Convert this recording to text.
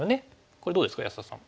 これどうですか安田さん。